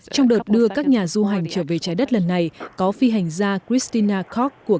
trong đợt đưa các nhà du hành trở về trái đất lần này có phi hành gia christina koch của